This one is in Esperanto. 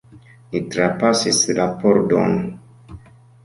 Ni trapasis la pordon.